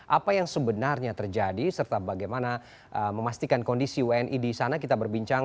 apa yang sebenarnya terjadi serta bagaimana memastikan kondisi wni di sana kita berbincang